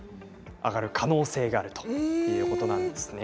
上がる可能性があるということですね。